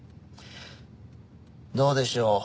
どうでしょう？